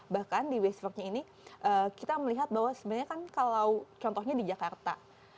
bahkan di waste worknya ini kita melihat bahwa sebenarnya kan kalau contohnya di jakarta